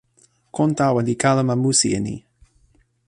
kon tawa li kalama musi e ni.